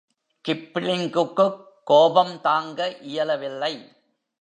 கிப்ளிங்குக்குக் கோபம் தாங்க இயலவில்லை.